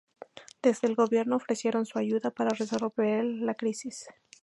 Desde el Gobierno ofrecieron su ayuda para resolver la crisis.